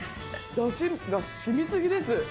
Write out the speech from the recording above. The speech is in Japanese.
だしがしみすぎです。